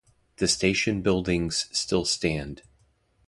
The station buildings still stand.